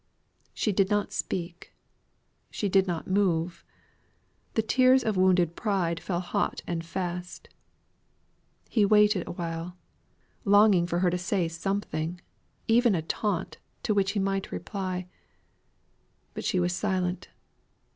She did not speak; she did not move. The tears of wounded pride fell hot and fast. He waited awhile, longing for her to say something, even a taunt, to which he might reply. But she was silent.